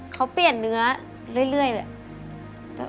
เขาเปลี่ยนเนื้อเรื่อยแบบ